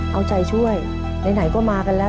เอาใจช่วยไหนก็มากันแล้ว